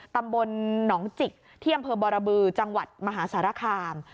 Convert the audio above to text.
ตำบลหนองจิกที่อำเภอบรบือจังหวัดมหาสารคาม